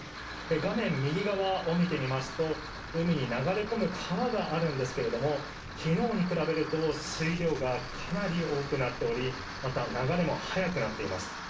画面右側を見てみますと、海に流れ込む川があるんですけれども、きのうに比べると水量がかなり多くなっており、また、流れも速くなっています。